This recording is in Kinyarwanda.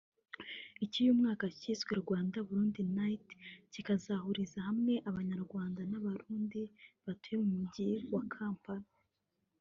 Icy’uyu mwaka cyiswe “Rwanda/Burundi Night” kizahuriza hamwe Abanyarwanda n’Abarundi batuye mu Mujyi wa Kampala